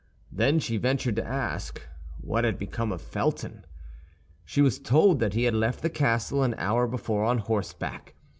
Then she ventured to ask what had become of Felton. She was told that he had left the castle an hour before on horseback.